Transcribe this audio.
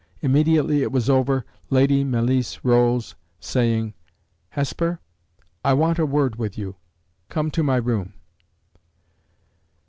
Immediately it was over, Lady Malice rose, saying: "Hesper, I want a word with you. Come to my room."